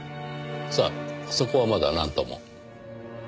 さあそこはまだなんとも。